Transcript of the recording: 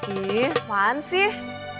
ih maan sih